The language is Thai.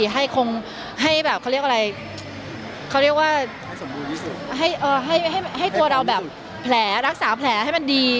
ให้คงให้แบบเขาเรียกอะไรเขาเรียกว่าให้ตัวเราแบบแผลรักษาแผลให้มันดี